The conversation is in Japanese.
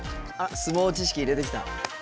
相撲知識入れてきた。